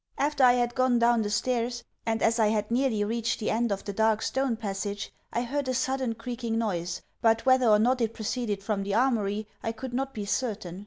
After I had gone down the stairs, and as I had nearly reached the end of the dark stone passage, I heard a sudden creaking noise; but whether or not it proceeded from the Armoury I could not be certain.